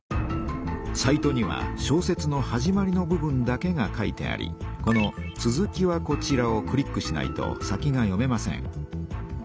サイトには小説の始まりの部分だけが書いてありこの「続きはこちら」をクリックしないと先が読めません。